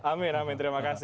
amin amin terima kasih